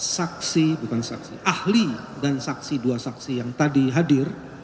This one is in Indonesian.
saksi bukan saksi ahli dan saksi dua saksi yang tadi hadir